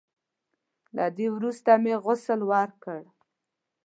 له دې وروسته مې غسل وکړ.